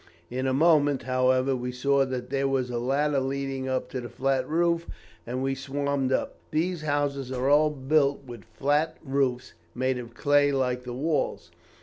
In a moment, however, we saw that there was a ladder leading up to the flat roof, and we swarmed up. These houses are all built with flat roofs made of clay like the walls.